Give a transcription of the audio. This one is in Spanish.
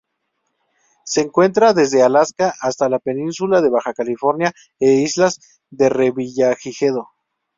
Se encuentra desde Alaska hasta la península de Baja California e islas Revillagigedo.